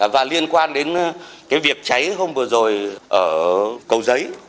và liên quan đến cái việc cháy hôm vừa rồi ở cầu giấy